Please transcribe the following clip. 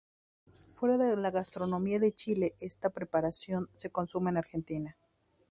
Fuera de la gastronomía de Chile, esta preparación se consume en Argentina.